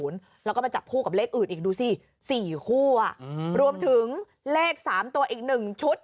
แล้วก็มาจับคู่กับเลขอื่นอีกดูสิ๔คู่รวมถึงเลข๓ตัวอีก๑ชุด